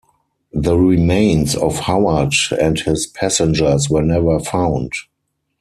The remains of Howard and his passengers were never found.